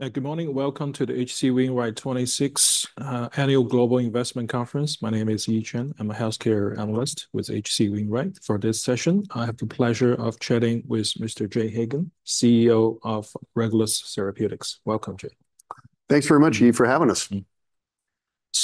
Good morning. Welcome to the H.C. Wainwright 26th Annual Global Investment Conference. My name is Yi Chen. I'm a healthcare analyst with H.C. Wainwright. For this session, I have the pleasure of chatting with Mr. Jay Hagan, CEO of Regulus Therapeutics. Welcome, Jay. Thanks very much, Yi, for having us.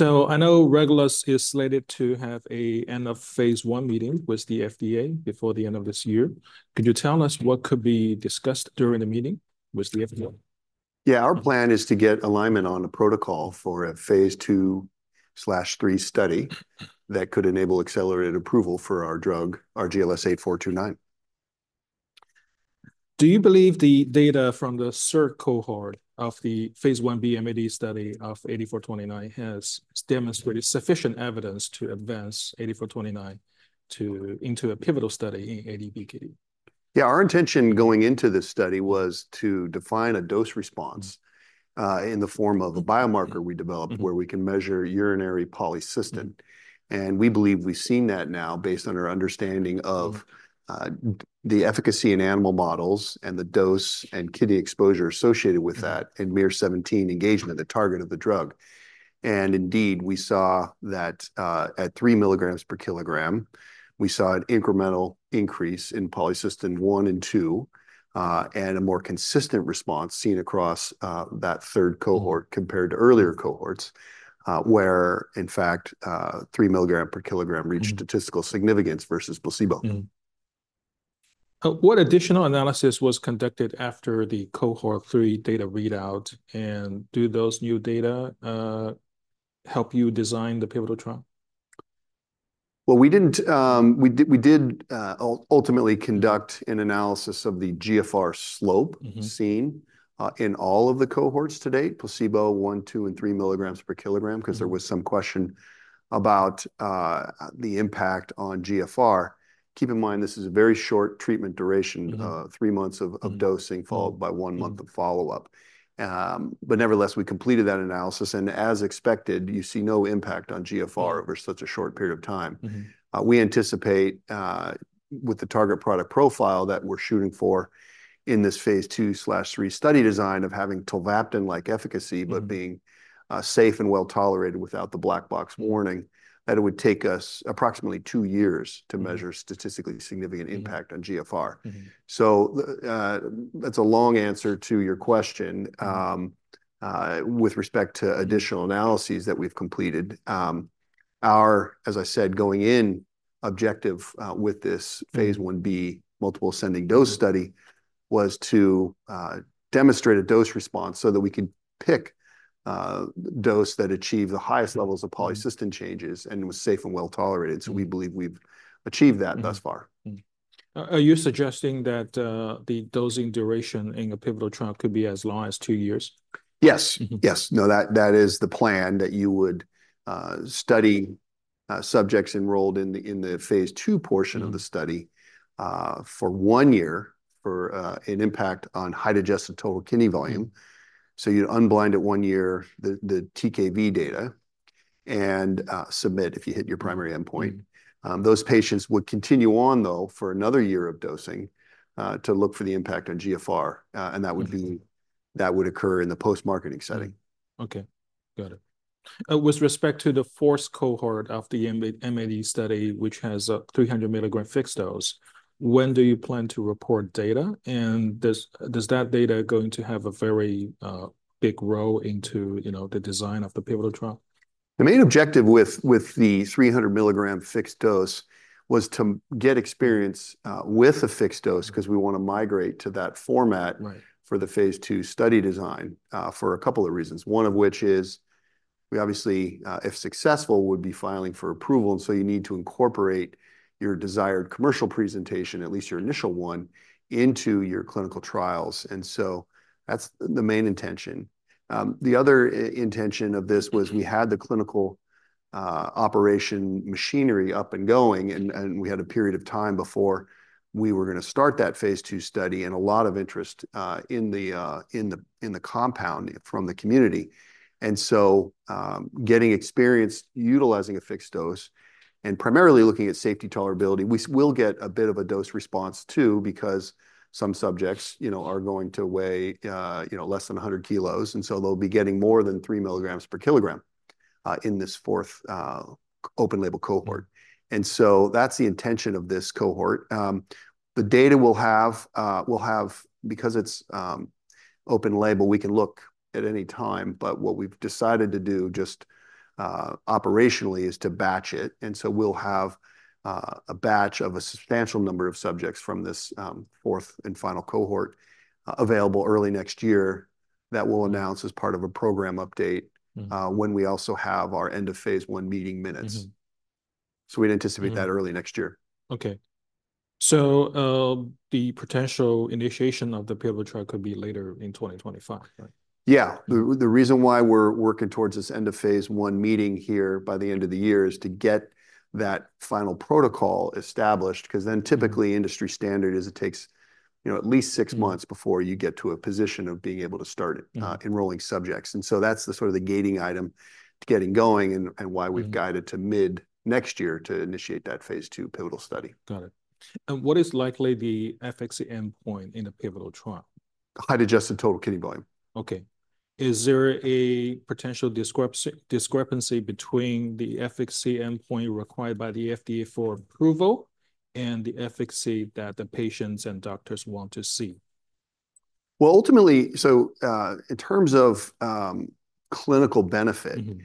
I know Regulus is slated to have an end of Phase I meeting with the FDA before the end of this year. Could you tell us what could be discussed during the meeting with the FDA? Yeah, our plan is to get alignment on a protocol for a Phase II/III study that could enable accelerated approval for our drug, RGLS8429. Do you believe the data from the third cohort of the Phase Ib MAD study of 8429 has demonstrated sufficient evidence to advance 8429 into a pivotal study in ADPKD? Yeah, our intention going into this study was to define a dose response in the form of a biomarker we developed. Mm-hmm. -where we can measure urinary Polycystin, and we believe we've seen that now, based on our understanding of the efficacy in animal models and the dose and kidney exposure associated with that in miR-17 engagement, the target of the drug. And indeed, we saw that at three milligrams per kilogram, we saw an incremental increase in Polycystin-1 and Polycystin-2, and a more consistent response seen across that third cohort compared to earlier cohorts, where, in fact, three milligrams per kilogram- Mm -reached statistical significance versus placebo. What additional analysis was conducted after the cohort three data readout, and do those new data help you design the pivotal trial? We didn't. We did ultimately conduct an analysis of the GFR slope- Mm-hmm -seen, in all of the cohorts to date, placebo one, two, and three milligrams per kilogram- Mm -because there was some question about, the impact on GFR. Keep in mind, this is a very short treatment duration- Mm-hmm three months of dosing, followed by one month- Mm of follow-up, but nevertheless, we completed that analysis, and as expected, you see no impact on GFR over such a short period of time. Mm-hmm. We anticipate, with the target product profile that we're shooting for in this Phase II/III study design of having tolvaptan-like efficacy- Mm but being safe and well-tolerated without the black box warning, that it would take us approximately two years to measure statistically significant impact on GFR. Mm-hmm. That's a long answer to your question. With respect to additional analyses that we've completed, our going-in objective, as I said, with this Phase Ib multiple ascending dose study, was to demonstrate a dose response so that we could pick dose that achieved the highest levels of Polycystin changes and was safe and well-tolerated. Mm. We believe we've achieved that thus far. Are you suggesting that the dosing duration in a pivotal trial could be as long as two years? Yes. Mm-hmm. Yes. No, that is the plan, that you would study subjects enrolled in the Phase II portion of the study. Mm for one year for an impact on height-adjusted total kidney volume. So you'd unblind it one year, the TKV data, and submit if you hit your primary endpoint. Mm. Those patients would continue on, though, for another year of dosing, to look for the impact on GFR, and that would be- Mm -that would occur in the post-marketing setting. Okay. Got it. With respect to the fourth cohort of the MAD study, which has a three hundred milligram fixed dose, when do you plan to report data? And does that data going to have a very big role into, you know, the design of the pivotal trial? The main objective with the three hundred milligram fixed dose was to get experience with a fixed dose. Mm 'cause we want to migrate to that format. Right For the Phase II study design, for a couple of reasons. One of which is, we obviously, if successful, would be filing for approval, and so you need to incorporate your desired commercial presentation, at least your initial one, into your clinical trials. And so that's the main intention. The other intention of this was- Mm We had the clinical operation machinery up and going, and we had a period of time before we were gonna start that Phase II study, and a lot of interest in the compound from the community. And so, getting experienced, utilizing a fixed dose, and primarily looking at safety tolerability, we will get a bit of a dose response, too, because some subjects, you know, are going to weigh, you know, less than a hundred kilos, and so they'll be getting more than three milligrams per kilogram in this fourth open label cohort. Mm. That's the intention of this cohort. The data we'll have, because it's open label, we can look at any time. But what we've decided to do, just operationally, is to batch it. We'll have a batch of a substantial number of subjects from this fourth and final cohort available early next year. That we'll announce as part of a program update. Mm when we also have our end of Phase I meeting minutes. Mm-hmm. So we'd anticipate that- Mm early next year. Okay. So, the potential initiation of the pivotal trial could be later in twenty twenty-five, right? Yeah. The reason why we're working towards this end of Phase I meeting here by the end of the year is to get that final protocol established, 'cause then typically- Mm industry standard is it takes, you know, at least six months- Mbefore you get to a position of being able to start Mm enrolling subjects. And so that's the sort of the gating item to getting going and why- Mm we've guided to mid next year to initiate that Phase II pivotal study. Got it. What is likely the efficacy endpoint in a pivotal trial? Height-adjusted total kidney volume. Okay. Is there a potential discrepancy between the efficacy endpoint required by the FDA for approval and the efficacy that the patients and doctors want to see? Ultimately, so, in terms of, clinical benefit- Mm-hmm.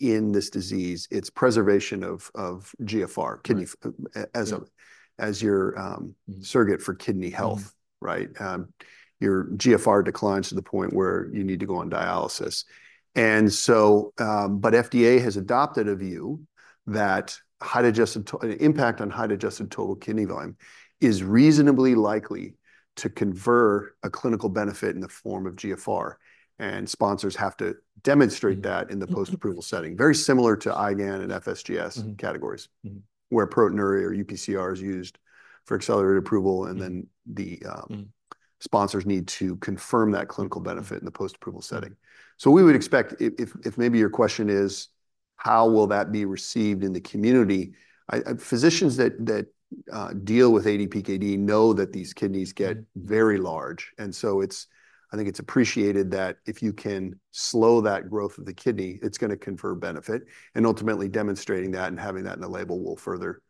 In this disease, it's preservation of GFR, kidney- Right. -a-as a- Yeah -as your surrogate for kidney health. Mm. Right? Your GFR declines to the point where you need to go on dialysis. And so, but FDA has adopted a view that an impact on height-adjusted total kidney volume is reasonably likely to confer a clinical benefit in the form of GFR, and sponsors have to demonstrate that- Mm-hmm, mm-hmm. in the post-approval setting, very similar to IgAN and FSGS categories Mm-hmm, mm-hmm. -where proteinuria or UPCR is used for accelerated approval, and then the, Mm sponsors need to confirm that clinical benefit. Mm in the post-approval setting. So we would expect, if maybe your question is, how will that be received in the community? I, physicians that deal with ADPKD know that these kidneys get- Mm very large, and so it's I think it's appreciated that if you can slow that growth of the kidney, it's gonna confer benefit, and ultimately, demonstrating that and having that in the label will further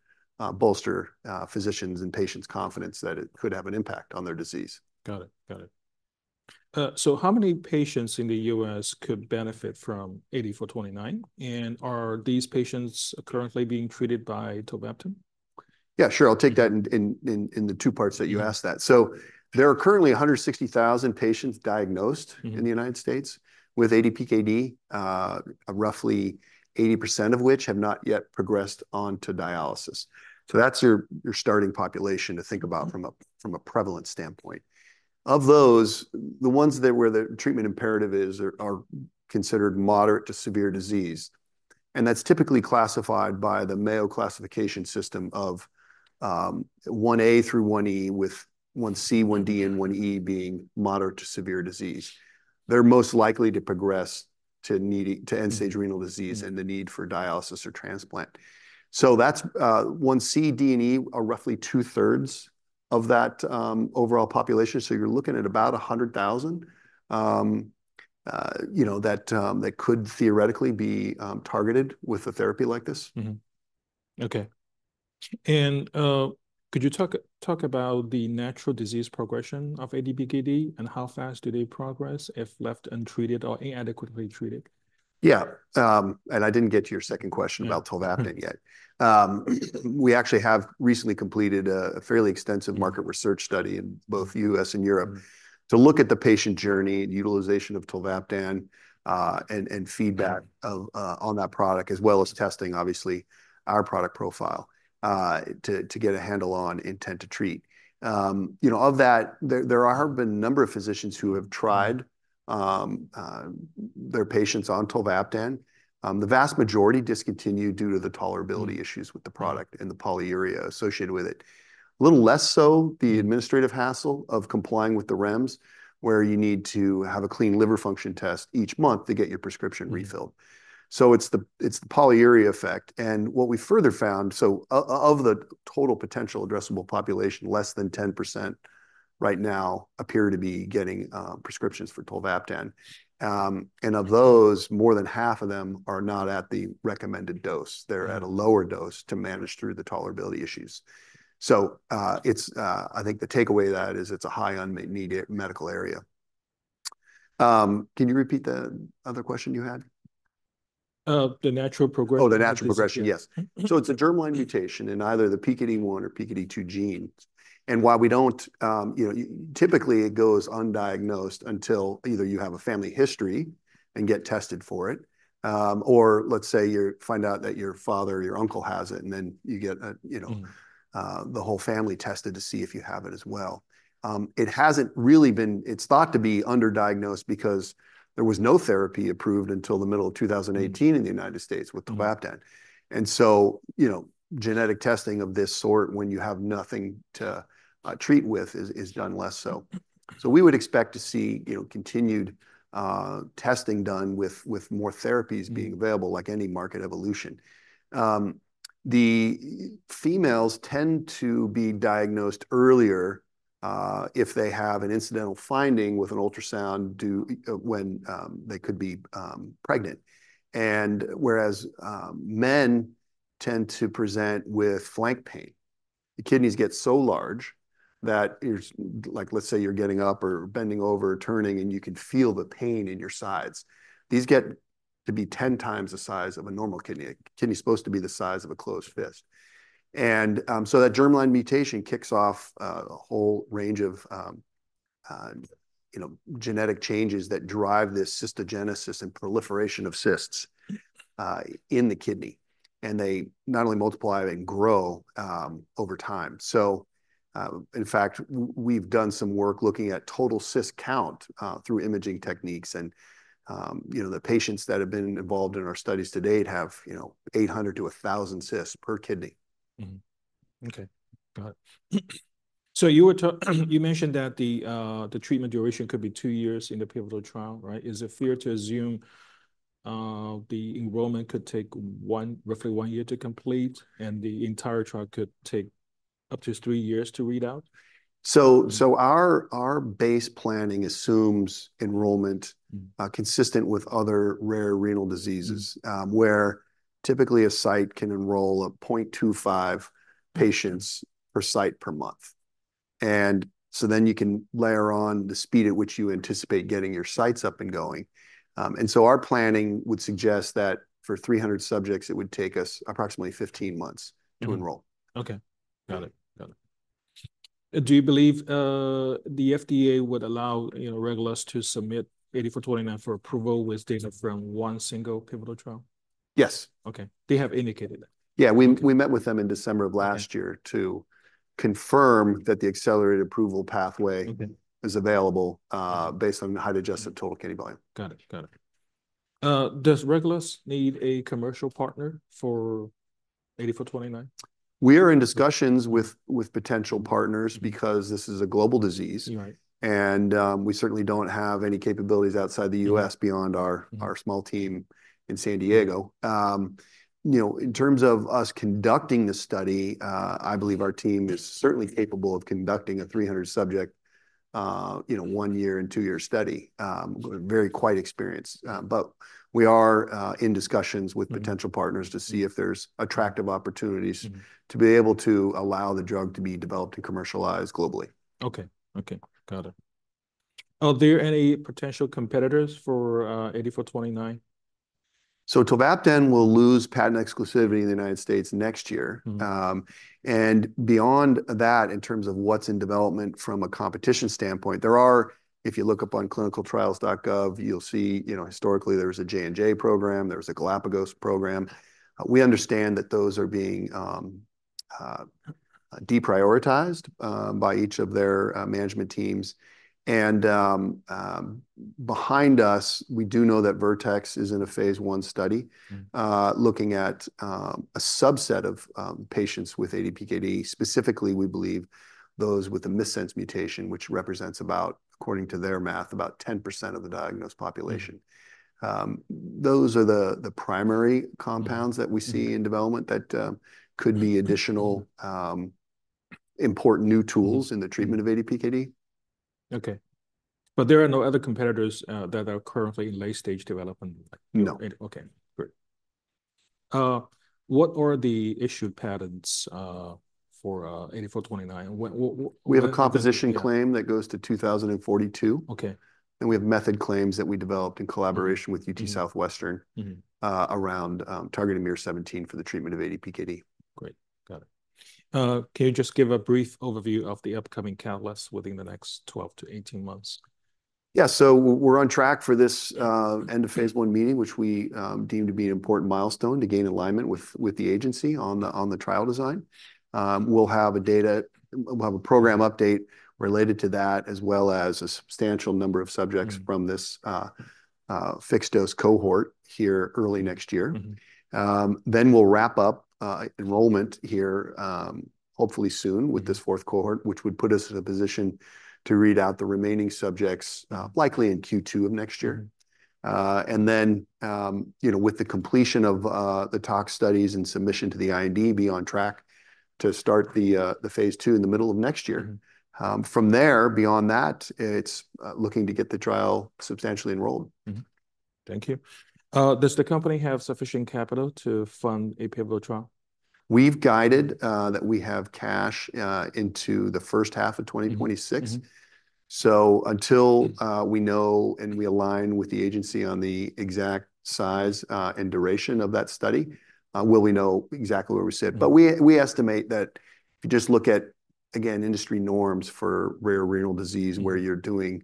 bolster physicians' and patients' confidence that it could have an impact on their disease. Got it. Got it. So how many patients in the U.S. could benefit from RGLS8429? And are these patients currently being treated by tolvaptan? Yeah, sure. I'll take that in the two parts that you asked that. Yeah. There are currently 160,000 patients diagnosed. Mm-hmm in the United States with ADPKD, roughly 80% of which have not yet progressed onto dialysis. So that's your starting population to think about- Mm from a prevalence standpoint. Of those, the ones that where the treatment imperative is are considered moderate to severe disease, and that's typically classified by the Mayo Classification system of 1A through 1E, with 1C, 1D, and 1E being moderate to severe disease. They're most likely to progress to needing to end-stage renal disease. Mm -and the need for dialysis or transplant. So that's 1C, D, and E are roughly two-thirds of that overall population, so you're looking at about 100,000, you know, that could theoretically be targeted with a therapy like this. Mm-hmm. Okay. And could you talk about the natural disease progression of ADPKD, and how fast do they progress if left untreated or inadequately treated? Yeah, and I didn't get to your second question. Yeah -about tolvaptan yet. We actually have recently completed a fairly extensive- Mm market research study in both U.S. and Europe. Mm to look at the patient journey and utilization of tolvaptan, and feedback on that product, as well as testing, obviously, our product profile, to get a handle on intent to treat. You know, of that, there have been a number of physicians who have tried their patients on tolvaptan. The vast majority discontinued due to the tolerability issues with the product and the polyuria associated with it. A little less so, the administrative hassle of complying with the REMS, where you need to have a clean liver function test each month to get your prescription refilled. Mm-hmm. It's the polyuria effect, and what we further found. Of the total potential addressable population, less than 10% right now appear to be getting prescriptions for tolvaptan. And of those, more than half of them are not at the recommended dose. Mm. They're at a lower dose to manage through the tolerability issues. So, it's, I think the takeaway of that is it's a high unmet medical area. Can you repeat the other question you had? The natural progression of the disease. Oh, the natural progression. Yes. Mm-hmm, mm-hmm. So it's a germline mutation in either the PKD1 or PKD2 genes. And while we don't, you know, typically, it goes undiagnosed until either you have a family history and get tested for it, or let's say, find out that your father or your uncle has it, and then you get a, you know- Mm The whole family tested to see if you have it as well. It's thought to be underdiagnosed because there was no therapy approved until the middle of two thousand and eighteen. Mm In the United States with tolvaptan. Mm. You know, genetic testing of this sort, when you have nothing to treat with, is done less so. Mm. We would expect to see, you know, continued testing done with more therapies. Mm -being available, like any market evolution. The females tend to be diagnosed earlier, if they have an incidental finding with an ultrasound due, when, they could be, pregnant, and whereas, men tend to present with flank pain. The kidneys get so large that you're, like, let's say, you're getting up or bending over, turning, and you can feel the pain in your sides. These get to be 10 times the size of a normal kidney. A kidney's supposed to be the size of a closed fist. And, so that germline mutation kicks off, a whole range of, you know, genetic changes that drive this cystogenesis and proliferation of cysts, in the kidney. And they not only multiply, they grow, over time. In fact, we've done some work looking at total cyst count through imaging techniques, and, you know, the patients that have been involved in our studies to date have, you know, eight hundred to a thousand cysts per kidney. Mm-hmm. Okay. Got it. So you mentioned that the treatment duration could be two years in the pivotal trial, right? Is it fair to assume the enrollment could take one, roughly one year to complete, and the entire trial could take up to three years to read out? So, our base planning assumes enrollment consistent with other rare renal diseases. Mm-hmm. where typically a site can enroll 0.25 patients per site per month. And so then you can layer on the speed at which you anticipate getting your sites up and going. And so our planning would suggest that for three hundred subjects, it would take us approximately fifteen months to enroll. Okay. Got it, got it. Do you believe the FDA would allow, you know, Regulus to submit ADPKD for approval with data from one single pivotal trial? Yes. Okay. They have indicated that? Yeah, we met with them in December of last year. Okay... to confirm that the accelerated approval pathway. Okay -is available, based on the height-adjusted total kidney volume. Got it. Got it. Does Regulus need a commercial partner for ADPKD? We are in discussions with potential partners, because this is a global disease. Right. We certainly don't have any capabilities outside the U.S.- Mm Beyond our small team in San Diego. You know, in terms of us conducting the study, I believe our team is certainly capable of conducting a 300-subject, you know, one year and two year study. Very quite experienced. But we are in discussions with- Mm potential partners to see if there's attractive opportunities- Mm to be able to allow the drug to be developed and commercialized globally. Okay. Okay, got it. Are there any potential competitors for ADPKD? tolvaptan will lose patent exclusivity in the United States next year. Mm. And beyond that, in terms of what's in development from a competition standpoint, there are, if you look up on ClinicalTrials.gov, you'll see, you know, historically there was a J&J program, there was a Galapagos program. We understand that those are being deprioritized by each of their management teams. And, behind us, we do know that Vertex is in a Phase I study- Mm looking at a subset of patients with ADPKD. Specifically, we believe those with a missense mutation, which represents about, according to their math, about 10% of the diagnosed population. Mm. Those are the primary compounds- Mm that we see in development that, could be additional, important new tools in the treatment of ADPKD. Okay. But there are no other competitors, that are currently in late stage development? No. Okay, great. What are the issued patents for ADPKD? And what- We have a composition claim that goes to 2042. Okay. We have method claims that we developed in collaboration with UT Southwestern. Mm-hmm, mm-hmm around, targeting miR-17 for the treatment of ADPKD. Great, got it. Can you just give a brief overview of the upcoming catalysts within the next twelve to eighteen months? Yeah. So we're on track for this end-of-Phase I meeting, which we deem to be an important milestone to gain alignment with the agency on the trial design. We'll have a data... We'll have a program update related to that, as well as a substantial number of subjects- Mm... from this, fixed dose cohort here early next year. Mm-hmm. Then we'll wrap up enrollment here, hopefully soon. Mm... with this fourth cohort, which would put us in a position to read out the remaining subjects, likely in Q2 of next year. Mm. and then, you know, with the completion of the tox studies and submission to the IND, be on track to start the Phase II in the middle of next year. Mm. From there, beyond that, it's looking to get the trial substantially enrolled. Mm-hmm. Thank you. Does the company have sufficient capital to fund a pivotal trial? We've guided that we have cash into the first half of 2026. Mm, mm-hmm. So until we know and we align with the agency on the exact size and duration of that study, will we know exactly where we sit. Mm. But we estimate that if you just look at, again, industry norms for rare renal disease. Mm where you're doing,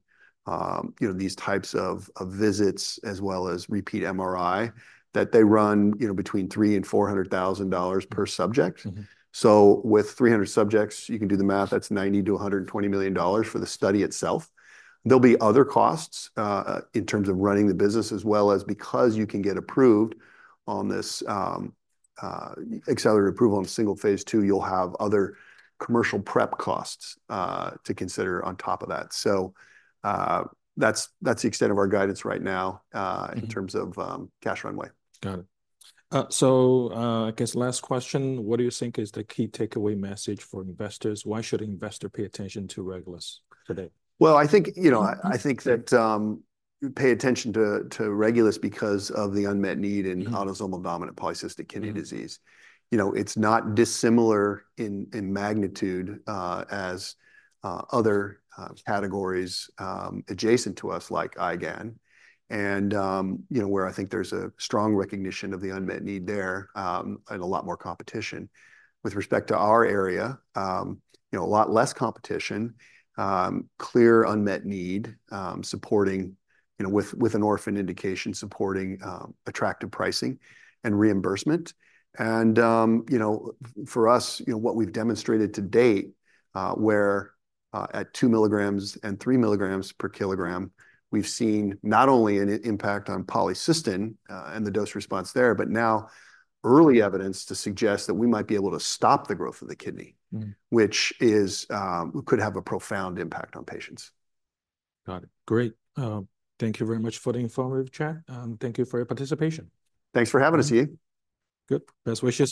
you know, these types of visits, as well as repeat MRI, that they run, you know, between $300,000 and $400,000 per subject. Mm-hmm. So with 300 subjects, you can do the math, that's $90-$120 million for the study itself. There'll be other costs, in terms of running the business, as well as because you can get approved on this, accelerated approval on a single Phase II, you'll have other commercial prep costs, to consider on top of that. That's the extent of our guidance right now. Mm... in terms of, cash runway. Got it. So, I guess last question. What do you think is the key takeaway message for investors? Why should an investor pay attention to Regulus today? I think, you know, I think that, pay attention to Regulus because of the unmet need in- Mm autosomal dominant polycystic kidney disease. Mm. You know, it's not dissimilar in magnitude as other categories adjacent to us, like IgAN. And, you know, where I think there's a strong recognition of the unmet need there, and a lot more competition. With respect to our area, you know, a lot less competition, clear unmet need, supporting, you know, with an orphan indication, supporting attractive pricing and reimbursement. And, you know, for us, you know, what we've demonstrated to date, where at two milligrams and three milligrams per kilogram, we've seen not only an impact on Polycystin, and the dose response there, but now early evidence to suggest that we might be able to stop the growth of the kidney- Mm which is, could have a profound impact on patients. Got it. Great. Thank you very much for the informative chat, and thank you for your participation. Thanks for having us, Yi. Good. Best wishes.